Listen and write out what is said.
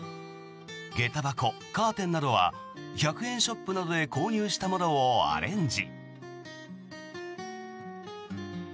下駄箱、カーテンなどは１００円ショップなどで購入したものをアレンジ。